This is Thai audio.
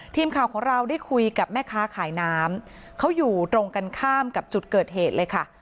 ทีมข่าวของเราได้คุยกับแม่ค้าขายน้ำเขาอยู่ตรงกันข้ามกับจุดเกิดเหตุเลยค่ะ